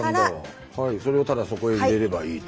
それをただそこへ入れればいいと。